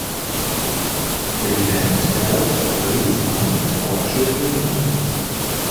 The event helped raise money for Children in Need.